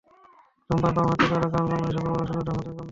ধূমপান বাম হাতে করো, কারণ, বাংলাদেশের বাবারা শুধু ডান হাতের গন্ধ শুঁকে!